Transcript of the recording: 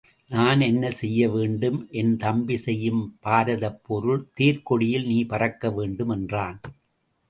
நான் என்ன செய்ய வேண்டும்? என் தம்பி செய்யும் பாரதப்போரில் தேர்க்கொடியில் நீ பறக்க வேண்டும் என்றான்.